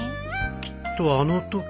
きっとあのとき。